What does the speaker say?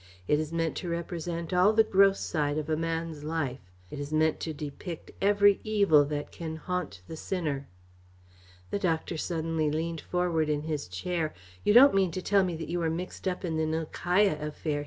It is meant to represent all the gross side of a man's life. It is meant to depict every evil that can haunt the sinner." The doctor suddenly leaned forward in his chair. "You don't mean to tell me that you were mixed up in the Nilkaya affair?"